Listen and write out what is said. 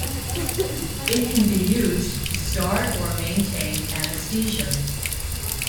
It can be used to start or maintain anesthesia.